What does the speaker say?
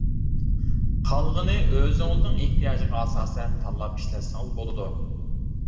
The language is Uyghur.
قالغىنى ئۆزىڭىزنىڭ ئېھتىياجىغا ئاساسەن تاللاپ ئىشلەتسىڭىز بولىدۇ.